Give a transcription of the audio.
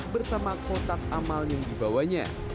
bersama kotak amal yang dibawanya